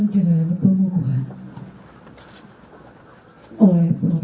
permisi permisi permisi permisi